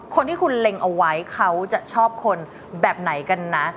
คนที่คุณเล็งเอาไว้เขาจะชอบคนแบบไหนกันนะ